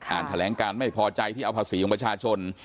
แถลงการไม่พอใจที่เอาภาษีของประชาชน